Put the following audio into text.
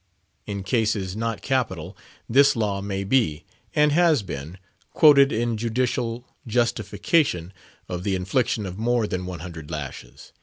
In cases "not capital" this law may be, and has been, quoted in judicial justification of the infliction of more than one hundred lashes.